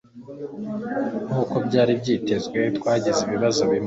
Nkuko byari byitezwe, twagize ibibazo bimwe.